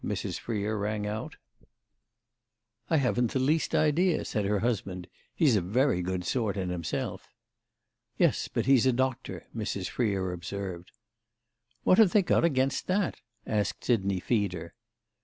Mrs. Freer rang out. "I haven't the least idea," said her husband. "He's a very good sort in himself." "Yes, but he's a doctor," Mrs. Freer observed. "What have they got against that?" asked Sidney Feeder.